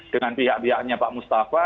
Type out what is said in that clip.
dengan pihak pihaknya pak mustafa